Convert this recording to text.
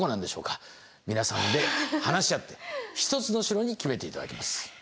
皆さんで話し合って１つの城に決めて頂きます。